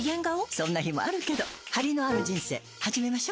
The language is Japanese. そんな日もあるけどハリのある人生始めましょ。